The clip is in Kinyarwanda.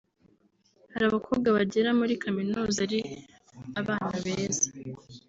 Hari abakobwa bagera muri Kaminuza ari abana beza